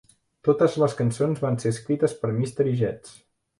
Totes les cançons van ser escrites per Mystery Jets.